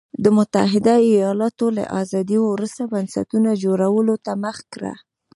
د متحده ایالتونو له ازادۍ وروسته بنسټونو جوړولو ته مخه کړه.